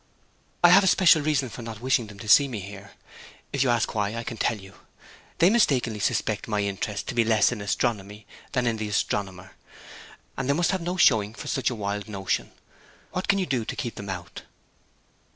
'I have a special reason for wishing them not to see me here. If you ask why, I can tell you. They mistakenly suspect my interest to be less in astronomy than in the astronomer, and they must have no showing for such a wild notion. What can you do to keep them out?'